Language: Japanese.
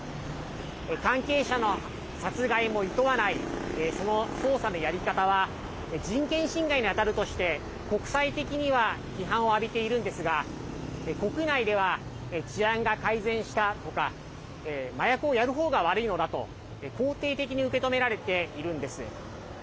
関係者の殺害もいとわないその捜査のやり方は人権侵害にあたるとして国際的には批判を浴びているんですが国内では治安が改善したとか麻薬をやるほうが悪いのだと肯定的に受け止められているんです。